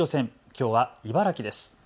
きょうは茨城です。